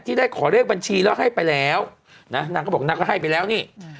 ได้ขอเลขบัญชีแล้วให้ไปแล้วนะนางก็บอกนางก็ให้ไปแล้วนี่